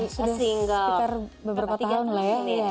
sudah sekitar beberapa tahun lah ya